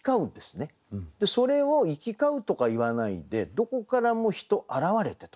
それを「行き交う」とか言わないで「どこからも人現れて」と。